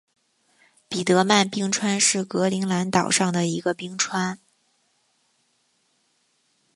彼得曼冰川是格陵兰岛上的一个冰川。